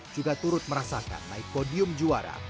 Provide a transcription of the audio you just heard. juga turut merasakan naik podium juara